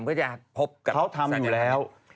สนุกจะแน่นอนเขาทำอยู่แล้ว